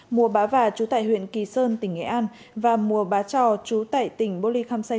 mùa bá vả trú tại huyện kỳ sơn tỉnh nghệ an và mùa bá trò trú tại tỉnh bô ly khăm xây